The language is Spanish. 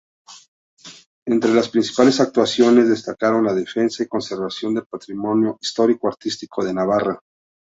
Entre las principales actuaciones, destacaron la defensa y conservación del patrimonio histórico-artístico de Navarra.